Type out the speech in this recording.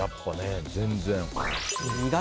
全然。